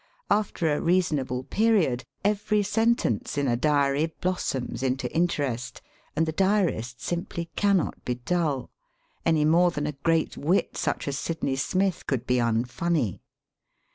After a reasonable period every sentence in a diary blossoms into interest, and the diarist simply cannot be dull — any more than a great wit such as Sidney Smith could be unfunny.